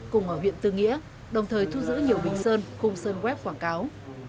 cùng ở huyện tư nghĩa đồng thời thu giữ nhiều bình sơn khung sơn web quảng cáo